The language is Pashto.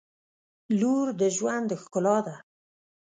• لور د ژوند ښکلا ده.